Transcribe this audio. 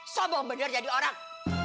sobong bener jadi orang